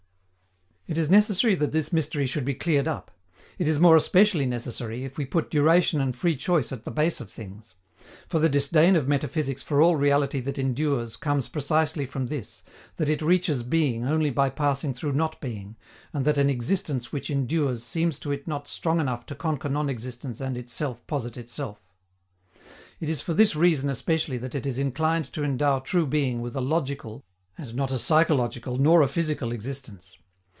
It is necessary that this mystery should be cleared up. It is more especially necessary, if we put duration and free choice at the base of things. For the disdain of metaphysics for all reality that endures comes precisely from this, that it reaches being only by passing through "not being," and that an existence which endures seems to it not strong enough to conquer non existence and itself posit itself. It is for this reason especially that it is inclined to endow true being with a logical, and not a psychological nor a physical existence.